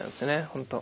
本当。